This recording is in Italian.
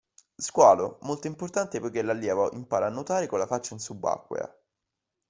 Squalo: molto importante poiché l'allievo impara a nuotare con la faccia in subacquea.